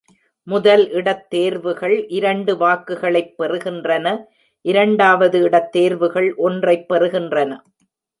முதல் இடத் தேர்வுகள் இரண்டு வாக்குகளைப் பெறுகின்றன, இரண்டாவது இடத் தேர்வுகள் ஒன்றைப் பெறுகின்றன.